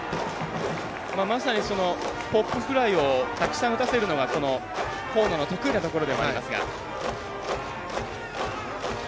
まさにポップフライをたくさん打たせるのが河野の得意なところではありますが。